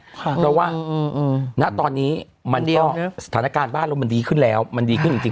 เพราะว่าณตอนนี้มันก็สถานการณ์บ้านเรามันดีขึ้นแล้วมันดีขึ้นจริง